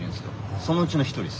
そのうちの１人です。